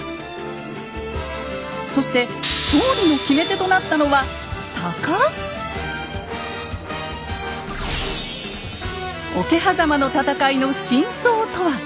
そして勝利の決め手となったのは桶狭間の戦いの真相とは。